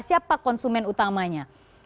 siapa konsumen utamanya